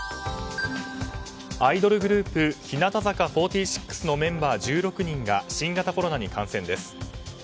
アイドルグループ日向坂４６のメンバー１６人が新型コロナに感染です。